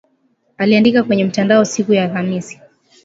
Aliandika kwenye mtandao siku ya Alhamisi.